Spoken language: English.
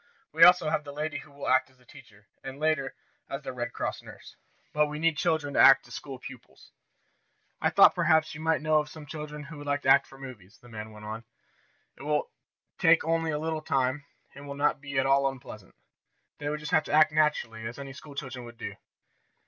We also have the lady who will act as the teacher, and, later as the Red Cross nurse. But we need children to act as school pupils. "I thought perhaps you might know of some children who would like to act for the movies," the man went on. "It will take only a little time, and it will not be at all unpleasant. They will just have to act naturally, as any school children would do."